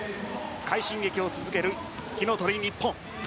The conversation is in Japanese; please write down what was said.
快進撃を続ける火の鳥ニッポン。